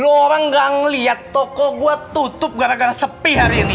loh orang gak ngeliat toko gue tutup gara gara sepi hari ini